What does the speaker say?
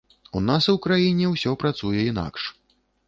У нас у краіне ўсё працуе інакш.